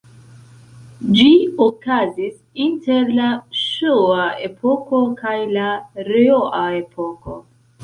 Ĝi okazis inter la Ŝoŭa-epoko kaj la Rejŭa-epoko.